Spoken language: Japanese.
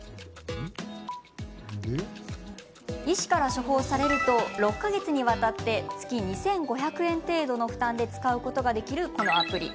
医師から処方されると６か月にわたって月２５００円程度の負担で使うことができる、このアプリ。